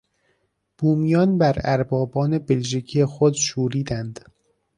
بومیان بر اربابان بلژیکی خود شوریدند.